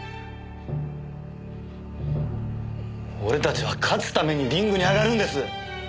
俺たちは勝つためにリングに上がるんです！